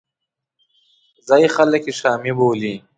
ځایي خلک یې شامي بولي.